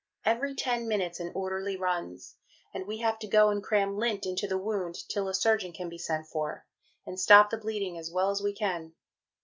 Every ten minutes an Orderly runs, and we have to go and cram lint into the wound till a Surgeon can be sent for, and stop the Bleeding as well as we can.